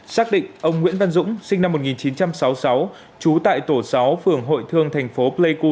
xác định ông nguyễn văn dũng sinh năm một nghìn chín trăm sáu mươi sáu trú tại tổ sáu phường hội thương thành phố pleiku